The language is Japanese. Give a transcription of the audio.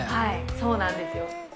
そうなんですよ。